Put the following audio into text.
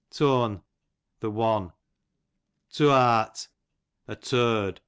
Tone, the one. Tooart, a t — d.